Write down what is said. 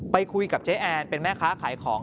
ไปคุยกับเจ๊แอนเป็นแม่ค้าขายของ